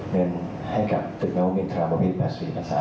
เงินให้กับตึกนวมินทราบพิษ๘๔พันศา